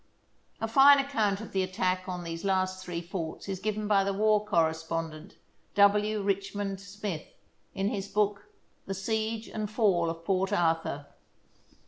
A fine account of the attack on these last three forts is given by the war correspondent, W. Rich mond Smith, in his book, " The Siege and Fall of Port Arthur."